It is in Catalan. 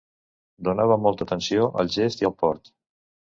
Donava molta atenció al gest i al port.